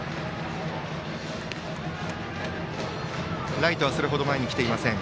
ライトはそれほど前に来ていません。